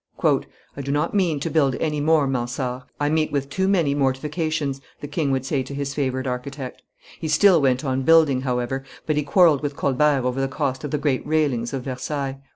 "I do not mean to build any more, Mansard; I meet with too many mortifications," the king would say to his favorite architect. He still went on building, however; but he quarrelled with Colbert over the cost of the great railings of Versailles.